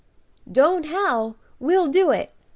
"Don't howl; we'll do it!